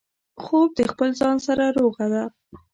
خوب د خپل ځان سره روغه ده